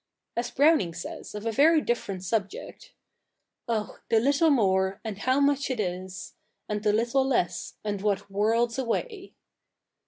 As Browning says of a very different subject — Oh, the little more, and how much it is, And the little less, and what worlds away.